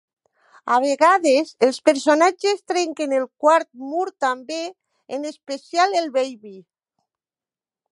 A vegades, els personatges trenquen el quart mur també, en especial el Baby.